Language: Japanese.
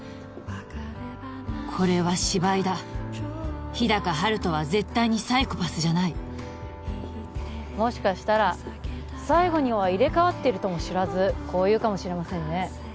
これは芝居だ日高陽斗は絶対にサイコパスじゃないもしかしたら最後には入れ替わってるとも知らずこう言うかもしれませんね